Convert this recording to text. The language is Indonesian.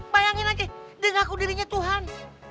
bayangin aja dia ngaku dirinya tuhan